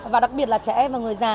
và đặc biệt là trẻ em và người già